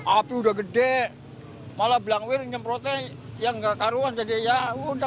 api udah gede malah bilang wir nyemprotnya yang gak karuan jadi yaudah gak ketolongan lah